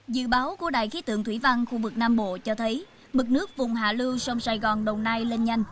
dự báo của đài khí tượng thủy văn khu vực nam bộ cho thấy mực nước vùng hạ lưu sông sài gòn đồng nai lên nhanh